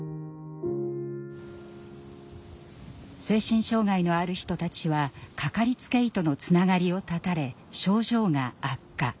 精神障害のある人たちはかかりつけ医とのつながりを断たれ症状が悪化。